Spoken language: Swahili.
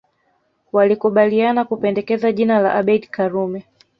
Walikubaliana kupendekeza jina la Abeid Karume